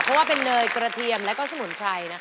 เพราะว่าเป็นเนยกระเทียมแล้วก็สมุนไพร